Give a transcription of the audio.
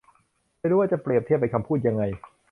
ไม่รู้ว่าจะเปรียบเทียบเป็นคำพูดยังไง